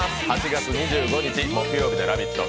８月２５日木曜日の「ラヴィット！」